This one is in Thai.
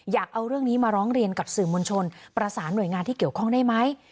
อยากเอาเรื่องนี้มาร้องเรียนกับสื่อมวลชนประสานหน่วยงานที่เกี่ยวข้องได้ไหม